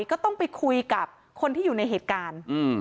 ก็ต้องไปคุยกับคนที่อยู่ในเหตุการณ์